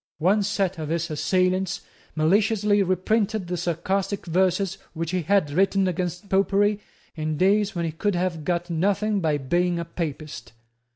One set of his assailants maliciously reprinted the sarcastic verses which he had written against Popery in days when he could have got nothing by being a Papist.